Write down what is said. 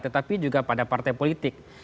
tetapi juga pada partai politik